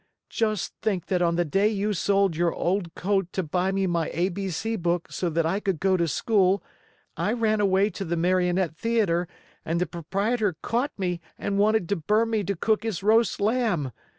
Just think that on the day you sold your old coat to buy me my A B C book so that I could go to school, I ran away to the Marionette Theater and the proprietor caught me and wanted to burn me to cook his roast lamb!